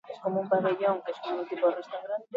Berdin gertatzen da auzune txiroetan, hiri handietan.